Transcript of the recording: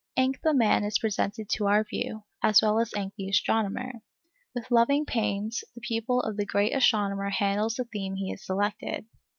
Encke the man is presented to our view, as well as Encke the astronomer. With loving pains the pupil of the great astronomer handles the theme he has selected.